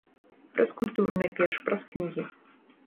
Праз культуру, найперш, праз кнігі.